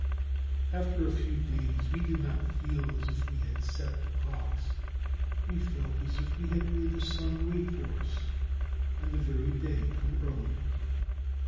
After a few days, we did not feel as if we had set the clocks; we felt as if we had made the sun wait for us, and the very day come earlier.